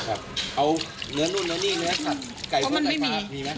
แบบเอาเนื้อนู้นแล้วเนี่ยเนื้อสัตว์ไก่ฟ้าไก่ไฟฟ้ามีไหม